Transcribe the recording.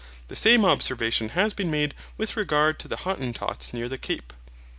The same observation has been made with regard to the Hottentots near the Cape.